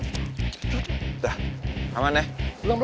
kalo dia dumbau dombau